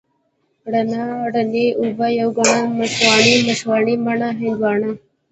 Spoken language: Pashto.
رڼا، رڼې اوبه، يو ګڼل، مشواڼۍ، مشواڼې، مڼه، هندواڼه،